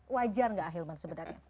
wajar gak ahilman sebenarnya